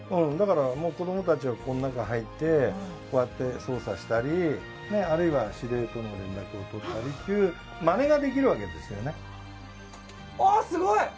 子供たちは、この中に入ってこうやって操作したりあるいは指令との連絡をとったりっていうまねができるわけですよね。